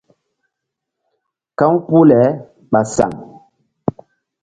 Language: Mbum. Ka̧w puh le ɓa saŋ.